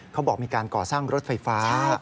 เขาบอกมีการก่อสร้างรถไฟฟ้า